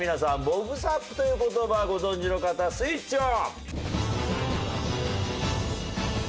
ボブ・サップという言葉ご存じの方スイッチオン！